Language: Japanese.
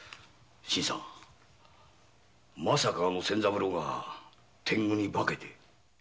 まさかあの仙三郎が天狗に化けて？